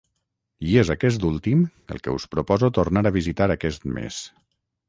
I és aquest últim el que us proposo tornar a visitar aquest mes